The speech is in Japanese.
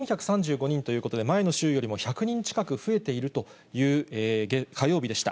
きのうまでの感染者数、確認しますと、４３５人ということで、前の週よりも１００人近く増えているという火曜日でした。